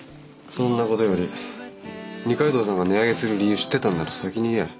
そんなことより二階堂さんが値上げする理由知ってたんなら先に言え。